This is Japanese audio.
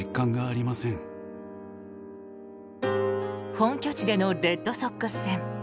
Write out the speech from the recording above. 本拠地でのレッドソックス戦。